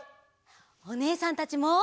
おねえさんたちも。